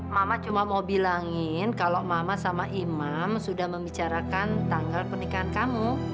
mama cuma mau bilangin kalau mama sama imam sudah membicarakan tanggal pernikahan kamu